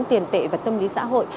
tiền tệ và tâm lý xã hội